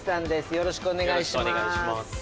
よろしくお願いします。